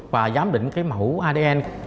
và giám định adn